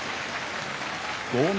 豪ノ